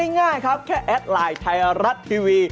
ง่ายครับแค่แอดไลน์ไทยรัฐทีวี